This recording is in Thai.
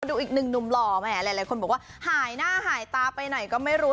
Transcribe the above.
ดูอีกหนึ่งหนุ่มหล่อแหมหลายคนบอกว่าหายหน้าหายตาไปไหนก็ไม่รู้